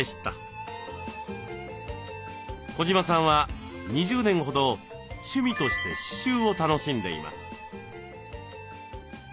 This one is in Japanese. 児島さんは２０年ほど趣味として刺しゅうを楽しんでいます。